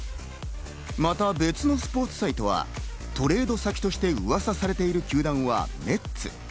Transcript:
また別のスポーツサイトはトレード先として噂されている球団はメッツ。